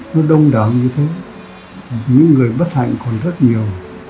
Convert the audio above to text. nó đông đảo như thế những người bất hạnh còn rất nhiều